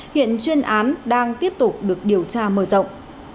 hiện chuyên án đang tiếp tục được điều tra mở rộng